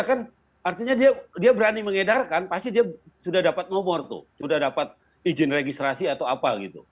kan artinya dia berani mengedarkan pasti dia sudah dapat nomor tuh sudah dapat izin registrasi atau apa gitu